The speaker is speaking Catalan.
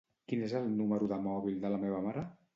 Quin és el número de mòbil de la meva mare?